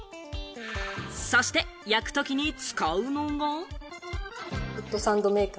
そして焼くときに使うのが。